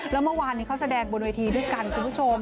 ละเมื่อเวาะเขาแสดงบนวิธีด้วยกันผู้ชม